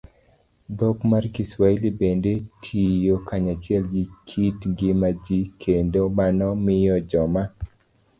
Dhok mar Kiswahili bende tiyo kanyachiel gi kit ngima ji, kendo mano miyo joma